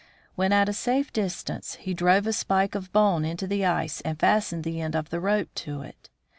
When at a safe distance, he drove a spike of bone into the ice and fastened the end of the rope to it.